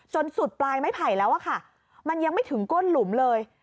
สุดปลายไม้ไผ่แล้วอะค่ะมันยังไม่ถึงก้นหลุมเลย